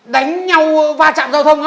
đánh nhau va chạm giao thông á